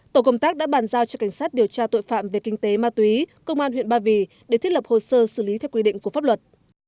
tổ công tác đã bàn giao cho cảnh sát điều tra tội phạm về kinh tế ma túy công an huyện ba vì để thiết lập hồ sơ xử lý theo quy định của pháp luật